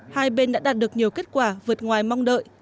hai bên đã đạt được nhiều kết quả vượt ngoài mong đợi